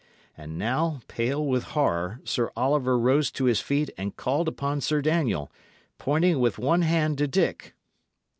And now, pale with horror, Sir Oliver rose to his feet and called upon Sir Daniel, pointing with one hand to Dick.